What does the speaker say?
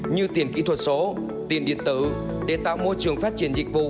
như tiền kỹ thuật số tiền điện tử để tạo môi trường phát triển dịch vụ